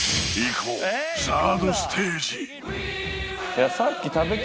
こうサードステージ